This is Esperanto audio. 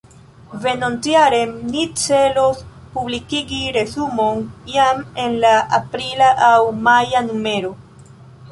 Venontjare ni celos publikigi resumon jam en la aprila aŭ maja numero.